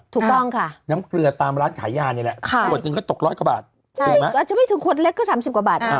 ถูกต้องค่ะน้ำเกลือตามร้านขายยานี่แหละขวดหนึ่งก็ตกร้อยกว่าบาทถูกไหมแล้วจะไม่ถึงขวดเล็กก็๓๐กว่าบาทนะ